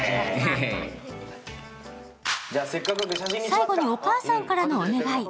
最後にお母さんからのお願い。